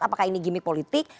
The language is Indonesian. apakah ini gimmick politik